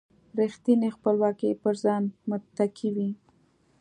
رېښتینې خپلواکي پر ځان متکي وي.